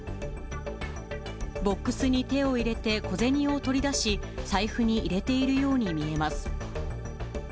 ボックスに手を入れて小銭を取り出し、財布に入れているように見えます。